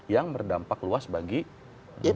yang berdampak luas bagi kita